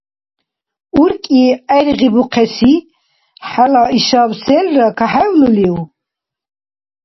УркӀи гӀергъибухъеси хӀела ишаб селра кахӀевлулив?